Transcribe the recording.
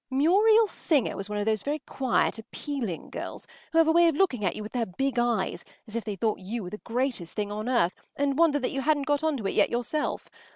” Muriel Singer was one of those very quiet, appealing girls who have a way of looking at you with their big eyes as if they thought you were the greatest thing on earth and wondered that you hadn’t got on to it yet yourself.